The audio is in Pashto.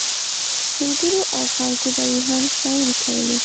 ملګرو او خلکو به یې هم ستاینې کولې.